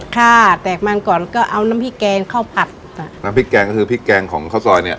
ค่ะแตกมันก่อนก็เอาน้ำพริกแกงข้าวผัดค่ะน้ำพริกแกงก็คือพริกแกงของข้าวซอยเนี้ย